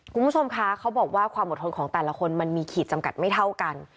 คุณผู้ชมคะเขาบอกว่าความอดทนของแต่ละคนมันมีขีดจำกัดไม่เท่ากัน